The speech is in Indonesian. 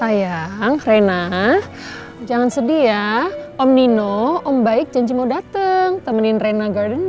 sayang rena jangan sedih ya om nino om baik janji mau datang temenin rena garden